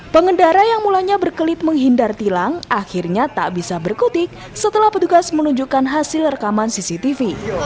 pengendara yang mulanya berkelit menghindar tilang akhirnya tak bisa berkutik setelah petugas menunjukkan hasil rekaman cctv